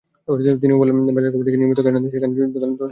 তিনিও বললেন, বাজার কমিটিকে নিয়মিত খাজনা দিয়ে এখানে দোকান চালান তাঁরা।